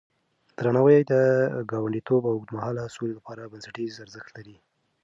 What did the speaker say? درناوی د ګاونډيتوب او اوږدمهاله سولې لپاره بنسټيز ارزښت لري.